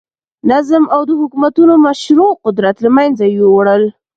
نظم او د حکومتونو مشروع قدرت له منځه یووړل.